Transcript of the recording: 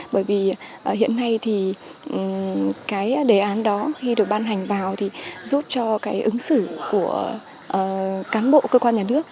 bởi vì hiện nay thì cái đề án đó khi được ban hành vào thì giúp cho cái ứng xử của cán bộ cơ quan nhà nước